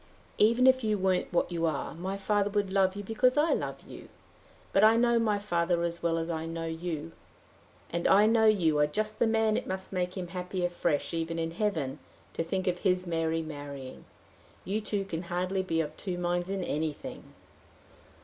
"Even if you weren't what you are, my father would love you because I love you. But I know my father as well as I know you; and I know you are just the man it must make him happy afresh, even in heaven, to think of his Mary marrying. You two can hardly be of two minds in anything!"